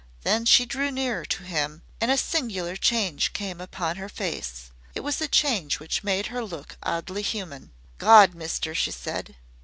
Then she drew nearer to him, and a singular change came upon her face. It was a change which made her look oddly human. "Gawd, mister!" she said.